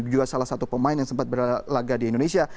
juga salah satu pemain yang sempat berlaga di indonesia